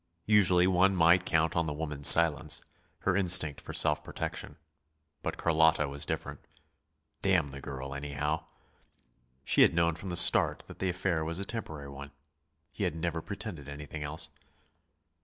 Usually one might count on the woman's silence, her instinct for self protection. But Carlotta was different. Damn the girl, anyhow! She had known from the start that the affair was a temporary one; he had never pretended anything else.